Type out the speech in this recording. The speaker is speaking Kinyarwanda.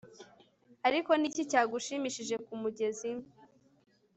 Ariko ni iki cyagushimisha ku mugezi